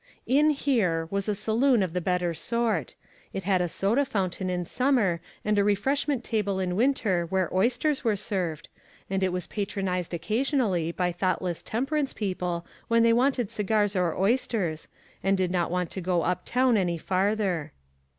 " In here " was a saloon of the better sort. It had a soda fountain in summer, and a refreshment table in winter where oysters were served, and it was patronized occasionally by thoughtless temperance people when they wanted cigars or oysters, and "ONLY A QUESTION OF TIME." 457 did not want to go up town any farther.